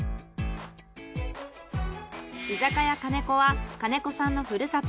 居酒や兼子は兼子さんのふるさと